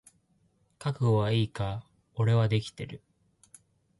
覚悟はいいか？俺はできてる。